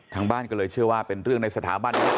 ทางบ้านก็เลยเชื่อว่าเป็นเรื่องในสถาบันนี้